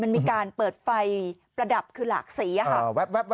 มันมีการเปิดไฟประดับคือหลากสีค่ะ